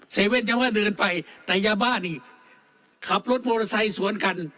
เว่นยังว่าเดินไปแต่ยาบ้านี่ขับรถมอเตอร์ไซค์สวนกัน